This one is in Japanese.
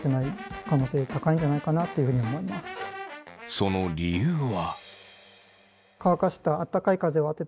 その理由は。